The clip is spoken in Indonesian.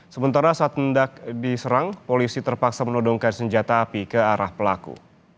sementara saat mendak diserang polisi terpaksa menodongkan senjata api ke arah pelaku